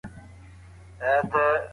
تعصب مه کوئ.